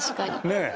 ねえ。